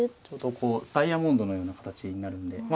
ちょうどこうダイヤモンドのような形になるんで。